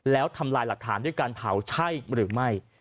แล้วทำลายหลักฐานด้วยการเผาใช่หรือไม่